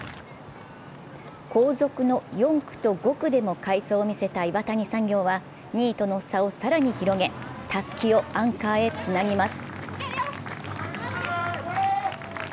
後続の４区と５区でも快走を見せた岩谷産業は、２位との差を更に広げたすきをアンカーへつなぎます。